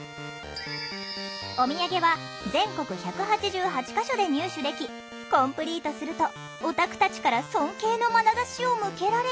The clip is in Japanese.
おみやげは全国１８８か所で入手できコンプリートするとオタクたちから尊敬のまなざしを向けられる。